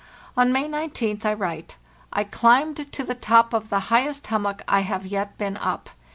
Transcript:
On May 19th I write: "I climbed to the top of the highest hummock I have yet been up.